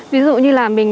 ví dụ như là mình